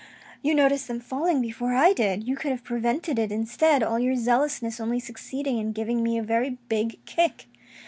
"You noticed them falling before I did — you could have prevented it, instead, all your zealousness only succeeding in giving me a very big kick."